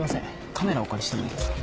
カメラお借りしてもいいですか？